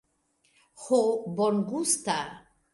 Ho, bongusta.